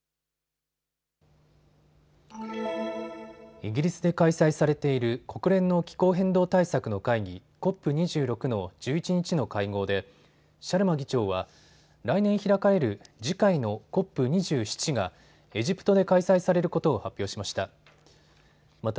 イギリスで開催されている国連の気候変動対策の会議、ＣＯＰ２６の１１日の会合でシャルマ議長は来年開かれる次回のＣＯＰ２７がエジプトで開催されることを発表しました。